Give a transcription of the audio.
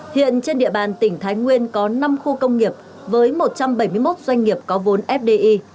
hiện trên địa bàn tỉnh thái nguyên có năm khu công nghiệp với một trăm bảy mươi một doanh nghiệp có vốn fdi